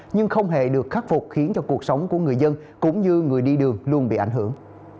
nhưng không hề được khắc phục khiến cho cuộc sống của người dân cũng như người đi đường luôn bị ảnh hưởng